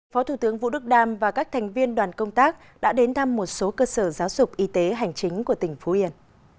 phó thủ tướng vũ đức đam và các thành viên đoàn công tác đã đến thăm một số cơ sở giáo dục y tế hành chính của tỉnh phú yên